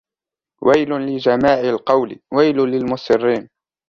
وَيْلٌ لِجَمَّاعِ الْقَوْلِ وَيْلٌ لِلْمُصِرِّينَ